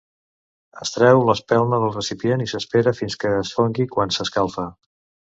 Es treu l'espelma del recipient i s'espera fins que es fongui quan s'escalfa.